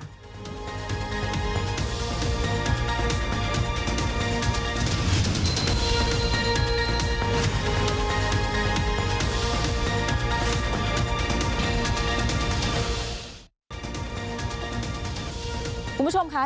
คุณผู้ชมคะ